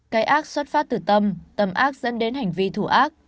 cái ác xuất phát từ tâm tâm ác dẫn đến hành vi thủ ác